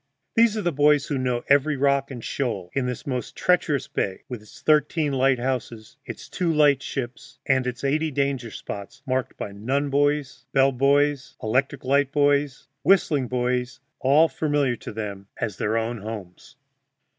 These are the boys who know every rock and shoal in this most treacherous bay, with its thirteen lighthouses, its two light ships, and its eighty danger spots, marked by nun buoys, bell buoys, electric light buoys, whistling buoys, all familiar to them as their own homes.